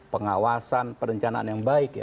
pengawasan perencanaan yang baik